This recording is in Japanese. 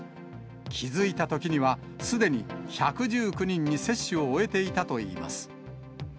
気付いたときには、すでに１１９人に接種を終えていたといいます。